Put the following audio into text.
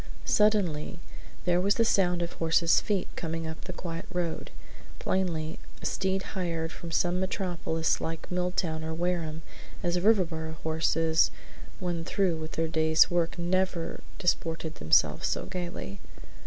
Suddenly there was the sound of a horse's feet coming up the quiet road; plainly a steed hired from some metropolis like Milltown or Wareham, as Riverboro horses when through with their day's work never disported themselves so gayly.